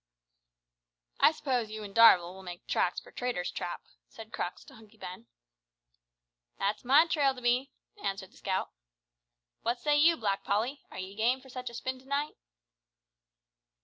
"I suppose you an' Darvall will make tracks for Traitor's Trap," said Crux to Hunky Ben. "That's my trail to be," answered the scout. "What say you, Black Polly? Are ye game for such a spin to night?"